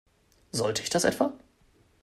Sollte ich das etwa?